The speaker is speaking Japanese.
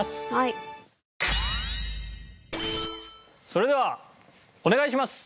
それではお願いします！